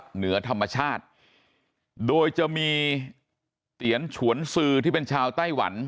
เหนือธรรมชาติโดยจะมีเตี๋ยนฉวนซื้อที่เป็นชาวไต้หวัน